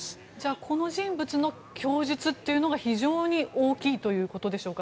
この人物の供述が非常に大きいということでしょうか。